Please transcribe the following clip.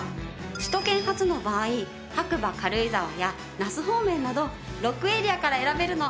首都圏発の場合白馬軽井沢や那須方面など６エリアから選べるの。